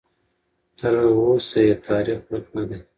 تراوسه یې تاریخ ورک نه دی.